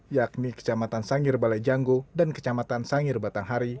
yakni kecamatan sangir balai janggo dan kecamatan sangir batanghari